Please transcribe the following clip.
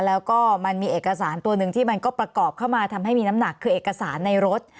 แล้วก็มันมีเอกสารตัวหนึ่งที่มันก็ประกอบเข้ามาทำให้มีน้ำหนักคือเอกสารในรถ